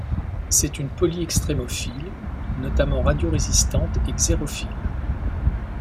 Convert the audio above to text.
C'est une polyextrémophile, notamment radiorésistante et xérophile.